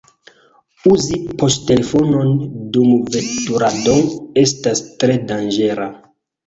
Uzi poŝtelefonon dum veturado estas tre danĝera.